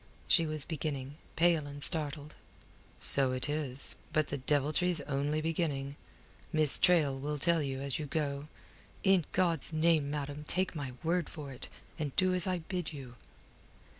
she was beginning, pale and startled. "So it is. But the deviltry's only beginning. Miss Traill will tell you as you go. In God's name, madam, take my word for it, and do as I bid you."